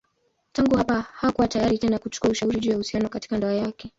Tangu hapa hakuwa tayari tena kuchukua ushauri juu ya uhusiano katika ndoa yake.